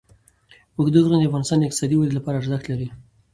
اوږده غرونه د افغانستان د اقتصادي ودې لپاره ارزښت لري.